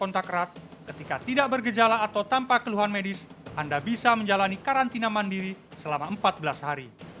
kontak erat ketika tidak bergejala atau tanpa keluhan medis anda bisa menjalani karantina mandiri selama empat belas hari